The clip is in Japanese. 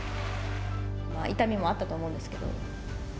痛みもあったと思うんですけれども。